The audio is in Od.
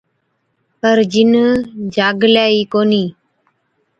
پَر جِن جاگلَي ئِي ڪونهِي۔